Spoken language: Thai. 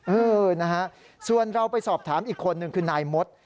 เออนะฮะส่วนเราไปสอบถามอีกคนนึงคือนายมด